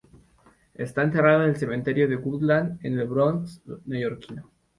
Está enterrado en el Cementerio de Woodlawn, en el Bronx neoyorquino.